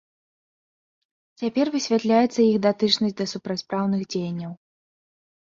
Цяпер высвятляецца іх датычнасць да супрацьпраўных дзеянняў.